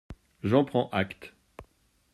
J’en prends acte.